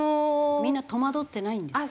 みんな戸惑ってないんですか？